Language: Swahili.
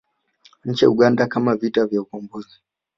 Nchini Uganda kama vita vya Ukombozi